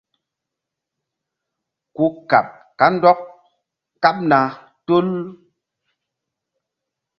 Ku kaɓ kandɔk kaɓna tul.